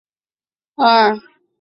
祖父郑得春。